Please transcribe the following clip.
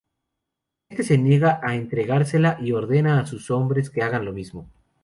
Este se niega a entregársela y ordena a sus hombres que hagan lo mismo.